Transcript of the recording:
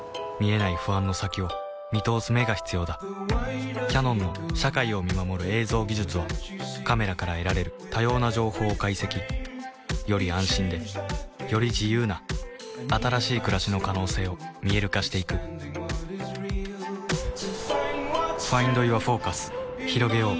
見えない不安の先を見通す眼が必要だキヤノンの社会を見守る映像技術はカメラから得られる多様な情報を解析より安心でより自由な新しい暮らしの可能性を見える化していくひろげよう